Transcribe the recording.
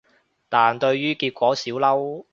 但對於結果少嬲